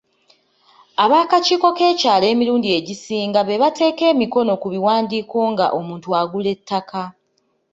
Ab'akakiiko k'ekyalo emirundi egisinga be bateeka emikono ku biwandiiko nga omuntu agula ettaka.